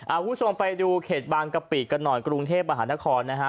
คุณผู้ชมไปดูเขตบางกะปิกันหน่อยกรุงเทพมหานครนะฮะ